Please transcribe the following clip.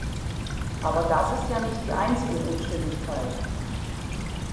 Aber das ist ja nicht die einzige Unstimmigkeit.